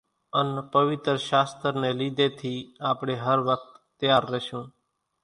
ان پويتر شاستر ني لِيڌي ٿي آپڙي ھر وقت تيار رشون